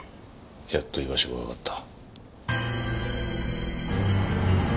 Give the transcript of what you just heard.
やっと居場所がわかった。